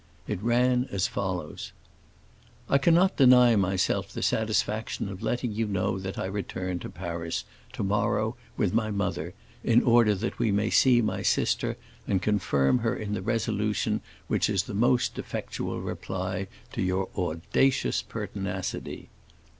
It ran as follows:— "I cannot deny myself the satisfaction of letting you know that I return to Paris, to morrow, with my mother, in order that we may see my sister and confirm her in the resolution which is the most effectual reply to your audacious pertinacity.